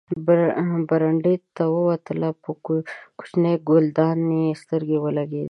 برنډې ته ووتله، په کوچنۍ ګلدانۍ یې سترګې ولګېدې.